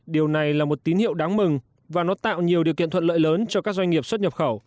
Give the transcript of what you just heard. điều này là một tín hiệu đáng mừng và nó tạo nhiều điều kiện thuận lợi lớn cho các doanh nghiệp xuất nhập khẩu